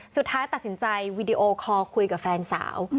สุดท้ายตัดสินใจวีดีโอคอลคุยกับแฟนสาว